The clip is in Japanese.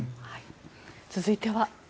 続いては。